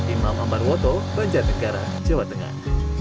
imam ambarwoto banja negara jawa tengah